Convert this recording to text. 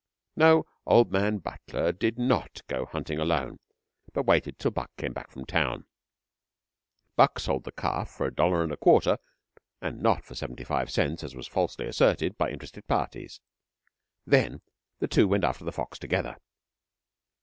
No old man Butler did not go hunting alone, but waited till Buck came back from town. Buck sold the calf for a dollar and a quarter and not for seventy five cents as was falsely asserted by interested parties. Then the two went after the fox together.